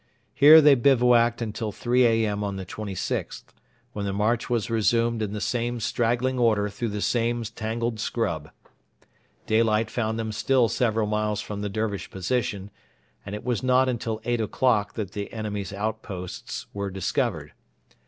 Here they bivouacked until 3 A.M. on the 26th, when the march was resumed in the same straggling order through the same tangled scrub. Daylight found them still several miles from the Dervish position, and it was not until eight o'clock that the enemy's outposts were discovered.